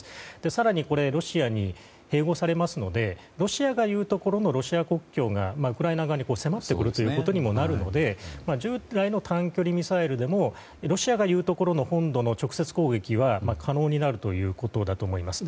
更に、ロシアに併合されますのでロシアがいうところのロシア国境がウクライナ側に迫ってくることにもなるので従来の短距離ミサイルでもロシアの言うところの本土の直接攻撃は可能になるということだと思います。